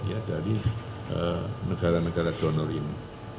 ya dari negara negara donor ini